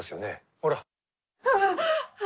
ほら。